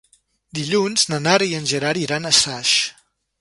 Dilluns na Nara i en Gerard iran a Saix.